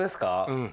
うん。